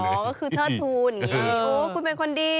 อ๋อก็คือเทิดทุนโอ้คุณเป็นคนดี